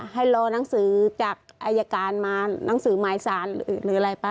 ให้รอนังสือจากอายการมาหนังสือหมายสารหรืออะไรป่ะ